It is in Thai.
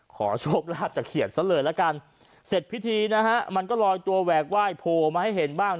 ขอโชคลาภจากเขียดซะเลยละกันเสร็จพิธีนะฮะมันก็ลอยตัวแหวกไหว้โผล่มาให้เห็นบ้าง